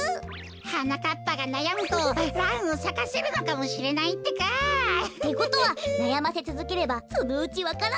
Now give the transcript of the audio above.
はなかっぱがなやむとランをさかせるのかもしれないってか！ってことはなやませつづければそのうちわか蘭も。